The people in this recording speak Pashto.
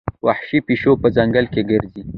وحشي پیشو په ځنګل کې ګرځي.